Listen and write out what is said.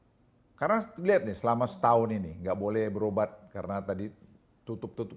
tutup perumahan kita bisa berobat di medan karena lihat nih selama setahun ini nggak boleh berobat karena tadi tutup perumahan kita bisa berobat di medan